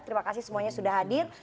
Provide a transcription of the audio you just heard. terima kasih semuanya sudah hadir